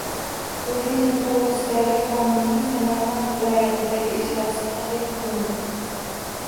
“Turizm to‘g‘risida”gi qonunning Samarqand viloyatidagi ijrosi tahlil qilindi